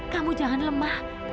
kamu jangan lemah